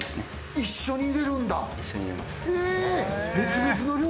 一緒に入れるんだ！